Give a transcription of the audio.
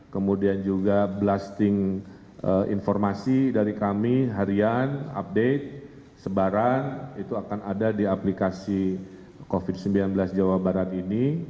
kemudian juga blasting informasi dari kami harian update sebaran itu akan ada di aplikasi covid sembilan belas jawa barat ini